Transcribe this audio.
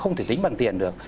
không thể tính bằng tiền được